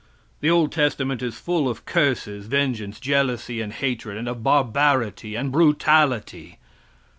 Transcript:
The old testament is full of curses, vengeance, jealousy and hatred, and of barbarity and brutality.